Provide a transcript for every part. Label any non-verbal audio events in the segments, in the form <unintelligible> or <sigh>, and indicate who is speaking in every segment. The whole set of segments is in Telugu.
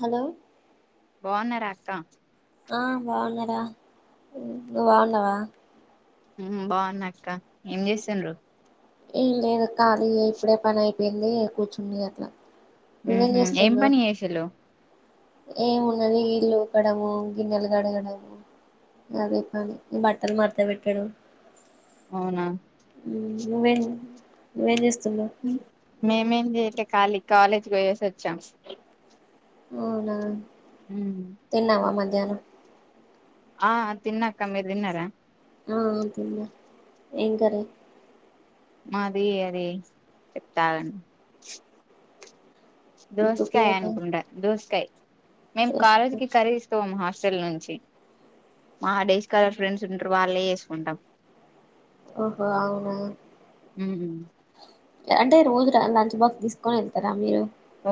Speaker 1: హలో
Speaker 2: బాన్నార అక్క
Speaker 1: ఆ బాగున్నారా నువ్వు బాగున్నావా
Speaker 2: హుమ్ బాగున్నాక్క ఏం చేసిండ్రు
Speaker 1: ఏం లేదు కాదు ఇప్పుడే పని అయిపోయింది కూర్చుంది అట్లా నువ్వేం
Speaker 2: ఉహు ఏం
Speaker 1: చేస్తున్నావ్
Speaker 2: పని చేసిరు
Speaker 1: ఏమున్నది ఇల్లు ఊకడము గిన్నెలు కడగడము అదే పనీ నబట్టలు మడత పెట్టడు
Speaker 2: అవునా
Speaker 1: మేం ఏం చేస్
Speaker 2: ఉ మేమేం చేయట్లే ఖాళీ కాలేజ్ పోయేసి వచ్చాం
Speaker 1: అవునా
Speaker 2: ఉమ్
Speaker 1: తిన్నావా మధ్యాహ్నం
Speaker 2: ఆ తిన్నాక్క మీరు తిన్నార
Speaker 1: ఆ తిన్న ఏం కర్రీ
Speaker 2: మాది అది చెప్తాను
Speaker 1: గుర్తుకు
Speaker 2: దోసకాయ
Speaker 1: లేదా
Speaker 2: అనుకుంటా దోసకాయ మేము కాలేజీ
Speaker 1: దోసకాయ
Speaker 2: కి కర్రీ తీసుకపోము హాస్ సెల్ నుంచి మా డేస్ కాలర్ ఫ్రెండ్స్ ఉంటారు వాళ్ళే చేసుకుంటాం
Speaker 1: ఓహో అవునా
Speaker 2: ఉమ్
Speaker 1: అంటే రోజు లంచ్ బాక్స్ తీసుకుని వెళ్తారా మీరు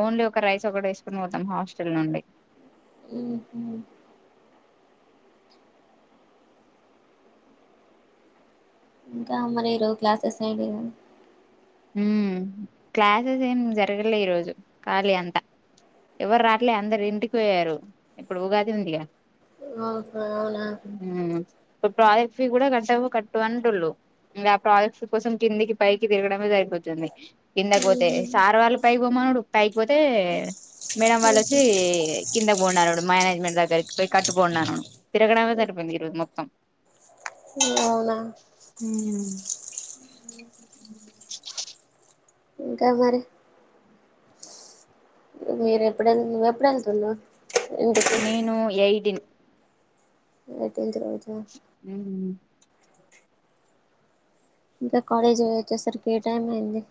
Speaker 2: ఓన్లీ ఒక రైస్ ఒకటి వేసుకుని పోతాం హాస్టల్ నుండి
Speaker 1: ఉహు ఇంకా మరి ఈరోజు క్లాసెస్ ఏంటి ఇగ
Speaker 2: హు క్లాసెస్ ఏం జరగలే ఈరోజు ఖాళీ అంతా ఎవరు రాట్లే అందరు ఇంటికి పోయారు ఇప్పుడు ఉగాది ఉందిగా
Speaker 1: కదా ఓహో అవునా
Speaker 2: ఉ ఇ ప్రాజెక్ట్ ఫ కూడా కట్ట కట్టు అంటళ్ళు ఆ ప్రాజెక్ట్స్ కోసం కిందికి పైకి తిరగడమే జరిగింది తుంది కిందకిపోతే సార్ వాళ్ళు పైపోమనుడు పైకి పోతే మేడం వాళ్ళొచ్చి కింద పోన్నాడు మేనేజ్మెంట్ దగ్గరికి పోయి కట్టుకున్నాను తిరగడమే సరిప్ మొత్తం
Speaker 1: అవునా
Speaker 2: ఉ
Speaker 1: ఇంకా మరి మీరు ఎప్పుడన ఎప్పుడు ఎళ్తున్నావు
Speaker 2: నేను ఏయి దిని
Speaker 1: ఎయిటీన్త్ రోజా
Speaker 2: ఉ
Speaker 1: ఇంకా కాలేజ్ అయి వచ్చేసరికి ఏ టైం అయింది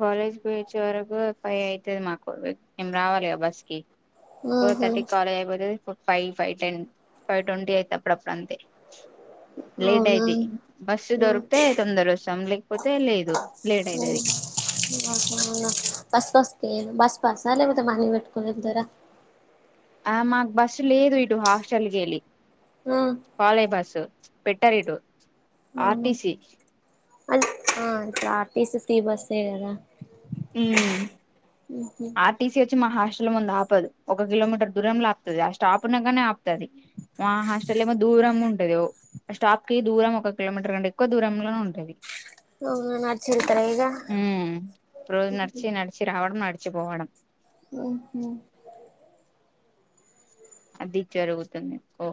Speaker 2: కాలేజ్కి వచ్చే వరకు ఫైవ్ అయితది మాకు మేము రావాలిగా బస్ కి ఫోర్
Speaker 1: ఆహా
Speaker 2: థర్టీ కాలేజ్ అయిపోతే ఫ five five ten five twenty అయితే అప్పుడు అప్పుడు అంతే లేట్
Speaker 1: అవునా అవునా
Speaker 2: అయిది బస్సు దొరికితే తొందర వస్తాం లేకపోతే లేదు లేట్ అయితది
Speaker 1: <inaudible> బస్సు వస్తే బస్ పాస లేకపోతే మనీ పెట్టుకుంటర
Speaker 2: ఆ మాకు బస్సు లేదు ఇటు హాస్టల్ కి వెళ్ళి
Speaker 1: ఆ
Speaker 2: కాలేజ్ బస్సు పెట్టారిటు ఆర్టీసి
Speaker 1: అన్ అ ఆర్టీసి సీ బస్సే కదా
Speaker 2: ఉమ్
Speaker 1: ఉహు
Speaker 2: ఆర్టీసీ వచ్చి మా హాస్ ము ఆపదు ఒక కిలోమీటర్ దూరంలో ఆపుతుది ఆ స్టాపునగానే ఆపుతుది మా హాస్టల్ దూ దూరం ఉంటది స్టాప్ కి దూరం ఒక కిలోమీటర్ కంటే ఎక్కువ దూరంలోనే ఉంటది
Speaker 1: అవు న నా ఆచ్చరితార ఈగ
Speaker 2: ఉమ్ రోజు నడిచి నడిచి రావడం నడిచి పోవడం
Speaker 1: ఓహో
Speaker 2: అదిచ్చరుగుతుంది కో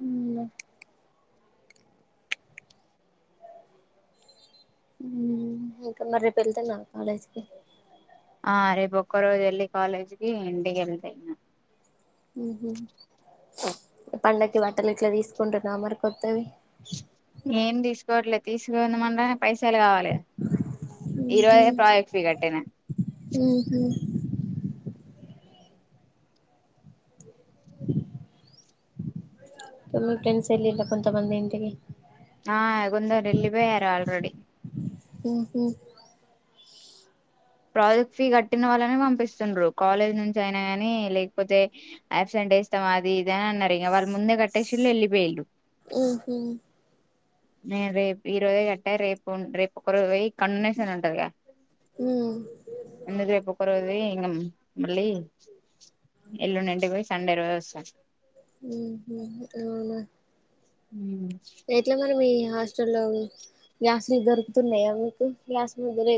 Speaker 1: అ ఇకా మరిేపు వెళ్తున్నా కాలేజ్కి
Speaker 2: ఆ రేపు ఒక్క రోజు వెళ్ళి కాలేజ్కిి ఇంటికి వెళ్తాయిన
Speaker 1: పండకి బట్టలు ఇట్లా తీసుకుంటున్నా మరికత్తవి
Speaker 2: ఏం తీసుకోవట్లేదు తీసుకోందమంట పైసలు కావాలిదా ఈరోజ
Speaker 1: ఉహు
Speaker 2: ప్రాజక్వి కట్టినా
Speaker 1: ఉహు త ఫ్రెండ్స్ ఎళ ఇ కొంత మంది ఇంటికి
Speaker 2: ఆ కొందరు వెళ్ళిపోయారు ఆల్రెడీ
Speaker 1: ఉఓహఓ
Speaker 2: ప్రాజెక్ట్ ఫీ కట్టిన వాళ్ళనే పంపిస్తు్రు కాలేజ్ నుంచి అయిన కాగానీ లేకపోతే అసెంట్ అేస్తాం అది ఇద అని అన్నారు ఇక వాళ్ళు ముందే కట్టేసిళ్ుళ్ళిపోయు
Speaker 1: ఆహ
Speaker 2: నేను రేపు ఇరువది కట్ట రేపు రేపు ఒక వ కన్నున్నే సన్నంటక
Speaker 1: ఉ
Speaker 2: ఎందుదిే పకర్ అది ఇంగ మళ్ళీ ఎల్లుండింటికి పోయి సండే రోజ వస్తాను
Speaker 1: అ
Speaker 2: ఉ
Speaker 1: ఎట్లా మన మీ హాస్టల్లో లో గ్లాస్లు దొరుకుతున్నాయా మీకు గ్లాస్ ముర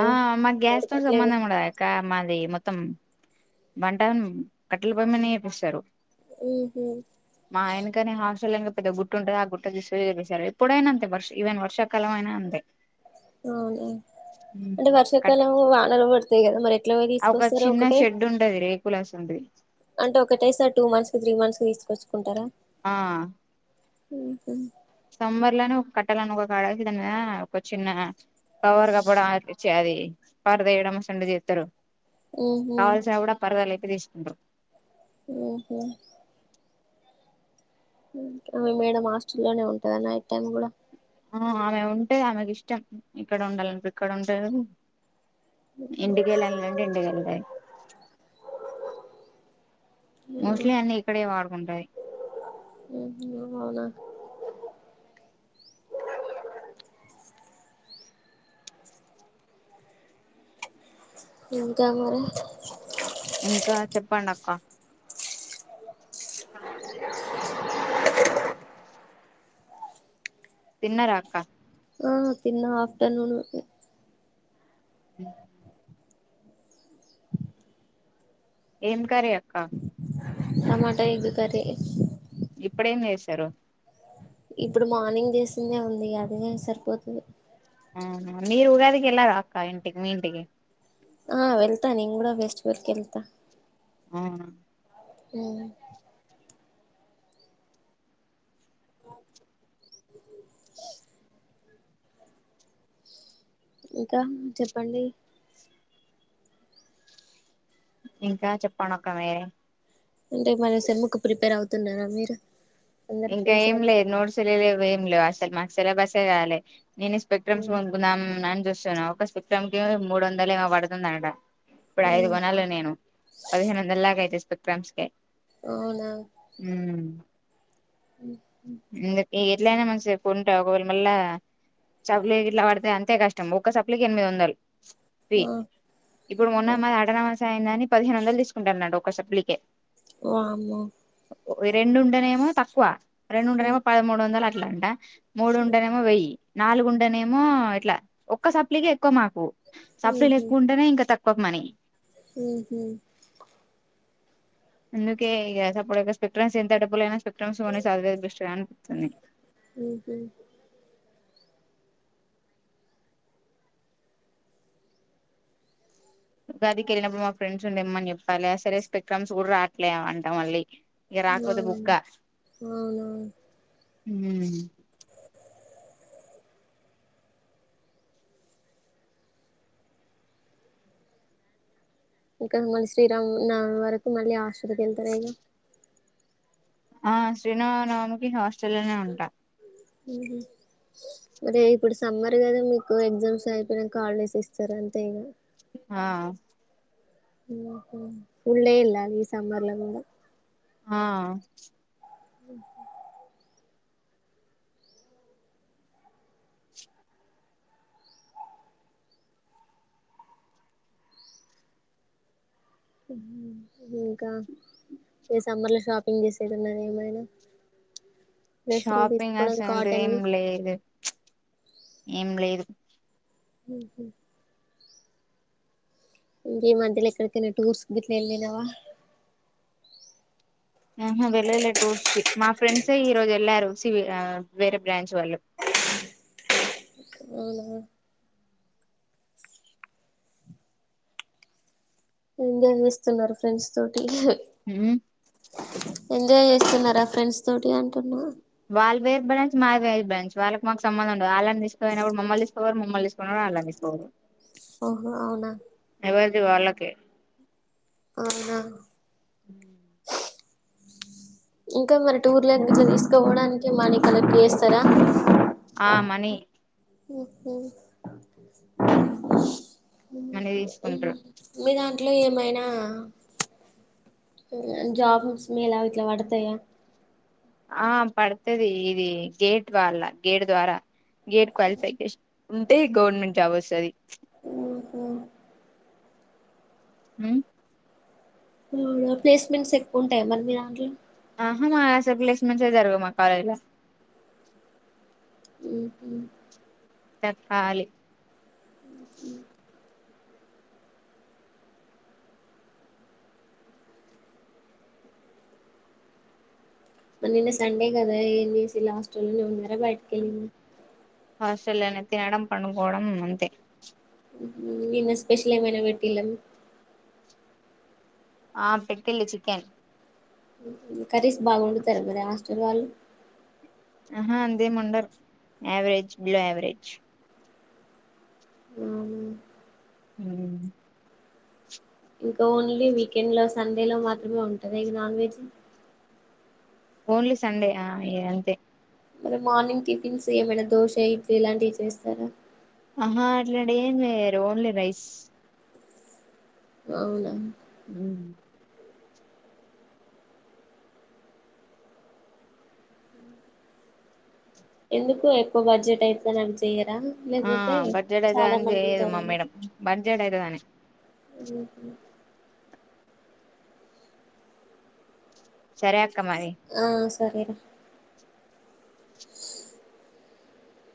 Speaker 2: ఆ మా గ్యాస్తోో సంబంధం కూడాక్క మాది మొత్తం వంట కట్టెల పయిమ ఏపిస్తారు
Speaker 1: ఉహు
Speaker 2: మా ఆయనకనే హాస్టల్ ఏదో గుట్ ఉంటుో ఆ గుట్ట తీసుసారు ఎప్పుడై అంతే వర్షవన్ వర్షాకాలంయినా అంతే
Speaker 1: అంటే
Speaker 2: కట్
Speaker 1: వర్షకాల వానర పడుత మరి ఎట్లా పోయి
Speaker 2: ఒక
Speaker 1: తీసుకొస్తారు
Speaker 2: చిన్న
Speaker 1: ఒకటే
Speaker 2: షెడ్ ఉంటది రేకులాస్ ఉంటది
Speaker 1: అంటే ఒకటైసారి టూ మంత్స్ కి త్రీ మంత్స్ కి తీసుకొచ్చుకుంటారా
Speaker 2: ఆ
Speaker 1: ఇ
Speaker 2: సమ్మర్ లో ఒక కట్టాలని ఒక కాడాల్సిదా ఒక చిన్న కవర్గాప్పు ఆచ్చ అది పరద ఏడమ సండు చేస్తారు
Speaker 1: ఉహు
Speaker 2: కావాల్సిన కూడా పరదాలుయిపో తీసుకుంట్రారు
Speaker 1: ఓహో అవి మేడం హాస్టల్లోనే ఉంటదన్న ఎ టైం కూడా
Speaker 2: ఆ ఆమె ఉంటే ఆమెకి ఇష్టం ఇక్కడ ఉండాలంటడు ఇక్కడ ఉండేది ఇంటికి వెళ్ళాలింటే ఇంటికెళ్ళదాయి
Speaker 1: ఉహు
Speaker 2: మోస్ట్లీ అన్నిీ ఇక్కడే వాడుకుంటాయి
Speaker 1: అవునా ఇంకా మరి
Speaker 2: ఇంకా చెప్పం అక్క తిన్నరా అక్క
Speaker 1: ఆ తిన్న ఆఫటర్నూన్
Speaker 2: ఏం కర్రి అక్క
Speaker 1: టమాటా ఎగ్ కర్రి
Speaker 2: ఇప్పుడేం చేసారు
Speaker 1: ఇప్పుడు మార్నింగ్ చేసిందే ఉంది అది సరిపోతుది
Speaker 2: ఆ మీరు ఉగాదికి ఎలాార అక్క ఇంటికి మీ ఇంటికి
Speaker 1: ఆ వెళ్తా నేను కూడా ఫెస్టివల్ కి వెళ్తా
Speaker 2: అవునా
Speaker 1: ఉ <unintelligible> ఇంకా చెప్పండి
Speaker 2: ఇంకా చెప్పండి అక్క మీరె
Speaker 1: అంటే మన సేమ్ముకు ప్రిపేర్ అవుతున్నారా మీరు అందరు
Speaker 2: ఇంకా
Speaker 1: ఫ్రెండ్స్
Speaker 2: ఏం
Speaker 1: కలిసి
Speaker 2: లేదు నోట్స్ లేవు ఏం లేవు అసలు మాకు సిలాబస్ ఎ కాలే, నేను స్పెక్ట్రమ్కుందాం అని చూస్తాను ఒక స్పెక్ట్రమ్ కి మూడు వందలు ఏమో పడుతుందట, అ ఇప్పుడు ఐదు కోనాల నేను పదిహేను వంద లాగా అయితే స్పక క్రామ్స్కి
Speaker 1: అవునా
Speaker 2: ఎందుకు
Speaker 1: <unintelligible>
Speaker 2: ఎట్లయినా మంచిదె కొంటా ఒకవేళ మళ్ళా సప్లై ఇట్లా పడితే అంతే కష్టం ఒక్క సప్లైకి ఎనిమిది వందలు, ఫి ఇప్పుడు కొన్న మన అడనా యని పదిహేను వందలు తీసుకుంటారు అన్నాడు ఒక సప్లికె
Speaker 1: వామ్మో
Speaker 2: రెండుండనేమో తక్కువ రెండుండనేమో పదమూడు వందలు అట్లా అంట మూడుండనేమో వెయ్యి నాలుగుండనేమో ఇట్లా ఒక్క సప్లికి ఎక్కువ మాకు సప్లీ
Speaker 1: ఉహు
Speaker 2: ఎక్కువ ఉంటేనే ఇంకా తక్కువ మనీ
Speaker 1: ఉహు
Speaker 2: అందుకే ఇక సపో్ స్పెక్ట్రమ్స్ ఎంత డబ్బులైయినా స్పెక్ట్రమ్స్ కొన్ని చదువుడు బెస్ట్ కదా అనిపిస్తుంది,
Speaker 1: ఉహు
Speaker 2: ఉగాది కి వెళ్ళినప్పుడు మా ఫ్రెండ్స్ని తెమన్ని చెప్పాలి, అసలే స్పెక్ట్రామ్స్ కూడా రాట్లే అంటం మళ్ళీ ఇగా రాకపోతే బుగ్గ
Speaker 1: అవును అవునా
Speaker 2: హు
Speaker 1: ఇంకా మళ్ళీ శ్రీరామ్ నవమి వరకు మళ్ళీ హాస్టల్ కి వెళ్తా నేను
Speaker 2: ఆ శ్రీరామనవమి కి హాస్టల్నే ఉంటా
Speaker 1: ఉహు మరి ఇప్పుడు సమ్మర్ కదా మీకు ఎగ్జామ్స్ అయిపోయినాకా హాలిడేస్ ఇస్తారు అంతే ఇక
Speaker 2: ఆ
Speaker 1: ఊళ్లే ఇల్ ఈ సమ్మర్ల ఉ కూడా
Speaker 2: ఆ
Speaker 1: <unintelligible> ఇంకా ఏ సమ్మర్ లో షాపింగ్ చేసేది ఉన్నది ఏమైనా
Speaker 2: <unintelligible>
Speaker 1: డ్రెస్సులు
Speaker 2: షాపింగ్
Speaker 1: తీసుకోవడం
Speaker 2: అసంట ఏం
Speaker 1: కాటన్వి
Speaker 2: లేదు ఏం లేదు
Speaker 1: ఉహు ఇకా మధ్యలో ఎక్కడికనే టూర్స్ కి గిట్ల వెళ్లినవా,
Speaker 2: ఆహా వెళ్ళలే టూర్స్ కి మా ఫ్రెండ్సే ఈ రోజు వెళ్ళారు సివి వేరే బ్రాంచ్ వాళ్ళు <unintelligible>
Speaker 1: అవునా ఎంజాయ్ చేస్తున్నారు ఫ్రెండ్స్ తోటి
Speaker 2: ఉ
Speaker 1: ఎంజాయ్ చేస్తున్నారా ఫ్రెండ్స్ తోటి అంటున్నా
Speaker 2: వాళ్ళ వేరు బ్రాంచ్ మాది వేర్ బ్రాంచ్ వాళ్ళకి మాకు సంబం ఉండందు వాళ్ళని తీసుకు పోయిప్పుడు మమ్మల్ని ఇ టూర్ మమ్మల్ని తీస్కా పోయినపుడు వాళ్లని తీసుకపోరు,
Speaker 1: ఓహో అవునా
Speaker 2: ఎవరిది వాళ్ళకె
Speaker 1: అవునా
Speaker 2: ఊ
Speaker 1: ఇంకా మరి టూర్లగ్గర తీసుకోవడానికి మాణకలకి చేస్తారా
Speaker 2: ఆ మనీి
Speaker 1: ఆ
Speaker 2: మనీ తీసుకుంటారు
Speaker 1: మీ దాంట్లో ఏమైనా జాబ్స్ మేల వీట్లా వడతయ
Speaker 2: ఆ పడుతుది ఇది గేట్ వాళ్ల్ళ గేట్ ద్వారా గేడ్ క్వాలిఫికేషన్ ఉంటే గవర్నమెంట్ జాబ్ వస్తుంది హ
Speaker 1: ప్లేస్మెంట్స్ ఎక్కువ ఉంటాయి మరి మీ దాంట్లో
Speaker 2: ఆహా మా అస ప్లేస్మెంట్స్ జరుగు మా కాలేజ్ లో
Speaker 1: ఉ
Speaker 2: తకాలి
Speaker 1: నిన్న సండే కదా ఏం చేసి లాస్ట్ లోనే ఉన్నారా బయటకి వెళ్ళింది
Speaker 2: హాస్టల్నే త నడంం పడుకోవడం అంతే
Speaker 1: నిన్న స్పెషల్ అమనా వీటల
Speaker 2: ఆ పెట్టటిల్ చికెన్
Speaker 1: కరీసి బాగుండుతారు మరి హాస్టల్ వాళ్ళు
Speaker 2: ఆహా అందేమండరు యావరేజ్ బిలో యావరేజ్
Speaker 1: అవునా
Speaker 2: అ
Speaker 1: ఇంకా ఓన్లీ వీకెండ్ లో సండే లో మాత్రమే ఉంటది ఇక నాన్ వెజ్
Speaker 2: ఓన్లీ సండే ఆ అంతే
Speaker 1: మరి మార్నింగ్ టిఫిన్స్ ఏమైనా దోశ ఇడ్లీ ఇలాంటివి చేస్తారా
Speaker 2: ఆహా అలాే ఏం వయరు ఓన్లీ రైస్
Speaker 1: అవునా
Speaker 2: అ
Speaker 1: ఎందుకు ఎక్కువ బడ్జెట్ అయితే చెయాల
Speaker 2: ఆ
Speaker 1: లేకపోతే
Speaker 2: బడ్జెట్
Speaker 1: చాలా
Speaker 2: అయితదని
Speaker 1: మంది
Speaker 2: చేయదు మా
Speaker 1: ఉంటారండి
Speaker 2: మేడం బడ్జెట్ అయితదని
Speaker 1: అఓ
Speaker 2: సరే అక్క మరి
Speaker 1: ఆ సరేరా